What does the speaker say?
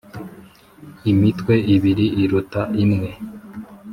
imitwe ibiri iruta imwe